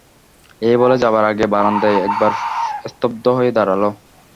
এই বলে যাবার আগে বারান্দায় একবার স্তব্ধ হয়ে দাঁড়াল।